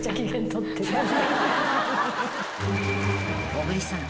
［小栗さん